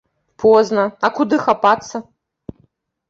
Позна, а куды хапацца?